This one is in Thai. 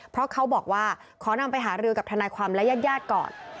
เพราะเขาบอกว่าขอนำไปหารือกับทนายความและญาติก่อน